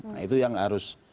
nah itu yang harus